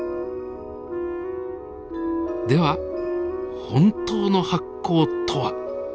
では本当の発光とは？